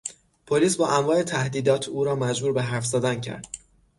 پلیس با انواع تهدیدات او را مجبور به حرف زدن کرد.